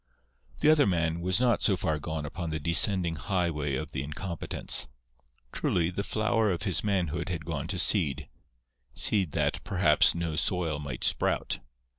The other man was not so far gone upon the descending Highway of the Incompetents. Truly, the flower of his manhood had gone to seed—seed that, perhaps, no soil might sprout.